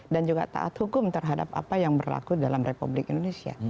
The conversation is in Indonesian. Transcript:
dan juga taat hukum terhadap apa yang berlaku dalam republik indonesia